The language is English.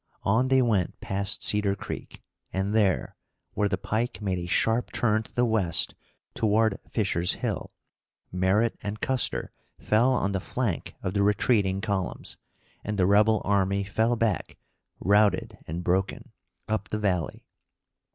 On they went past Cedar Creek, and there, where the pike made a sharp turn to the west toward Fisher's Hill, Merritt and Custer fell on the flank of the retreating columns, and the rebel army fell back, routed and broken, up the Valley.